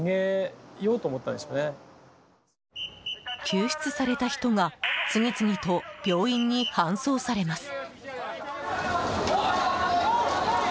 救出された人が次々と病院に搬送されます。